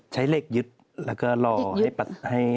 ใช้เหล็กยึดแล้วก็รอให้ปัดให้